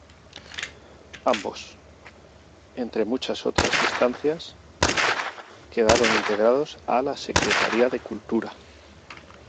Ambos, entre muchas otras instancias, quedaron integrados a la Secretaría de Cultura.